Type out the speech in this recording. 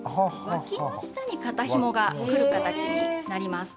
わきの下に肩ひもがくる形になります。